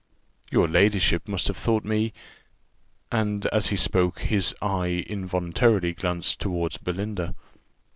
"Your ladyship must have thought me ," and, as he spoke, his eye involuntarily glanced towards Belinda.